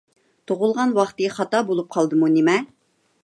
تۇغۇلغان ۋاقتى خاتا بولۇپ قالدىمۇ نېمە؟